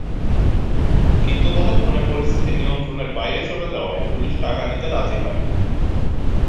কিন্তু ততক্ষণে পরিস্থিতি নিয়ন্ত্রণের বাইরে চলে যাওয়ায় পুলিশ টাকা নিতে রাজি হয়নি।